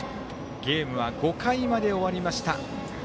ゲームは５回まで終わりました。